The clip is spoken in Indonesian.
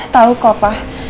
tau kok pak